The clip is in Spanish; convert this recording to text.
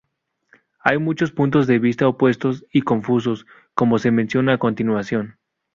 Hay muchos puntos de vista opuestos y confusos, como se menciona a continuación.